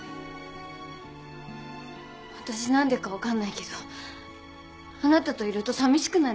わたし何でか分かんないけどあなたといると寂しくなるよ。